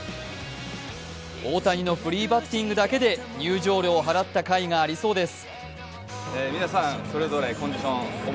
大谷のフリーバッティングだけで入場料を払ったかいがありそうです。